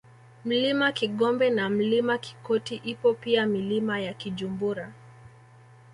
Mlima Kigombe na Mlima Kikoti ipo pia Milima ya Kijumbura